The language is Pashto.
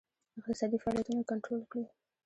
اقتصادي فعالیتونه کنټرول کړي.